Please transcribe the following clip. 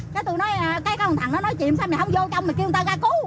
cái tôi nói cái thằng thằng nó nói chìm sao mày không vô trong mà kêu người ta ra cứu